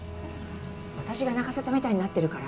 私が泣かせたみたいになってるから。